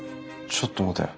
ちょっと待て。